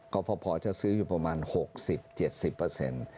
ก็พอจะซื้ออยู่ประมาณ๖๐๗๐เปอร์เซ็นต์